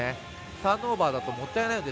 ターンオーバーだともったいないので。